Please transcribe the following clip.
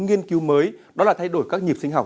nghiên cứu mới đó là thay đổi các nhịp sinh học